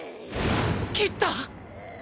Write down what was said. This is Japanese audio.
斬った！